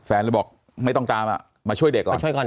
แฟนเลยบอกไม่ต้องตามมาช่วยเด็กก่อน